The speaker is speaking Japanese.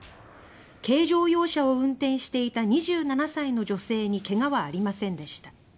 軽乗用車を運転していた２７歳の女性にけがはありませんでした。